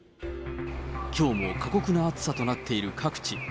きょうも過酷な暑さとなっている各地。